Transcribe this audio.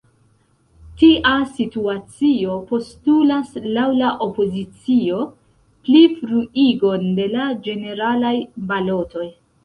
Tia situacio postulas, laŭ la opozicio, plifruigon de la ĝeneralaj balotoj.